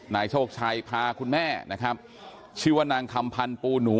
นายโชคชัยพาคุณแม่นะครับชื่อว่านางคำพันธ์ปูหนู